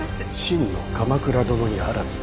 真の鎌倉殿にあらず。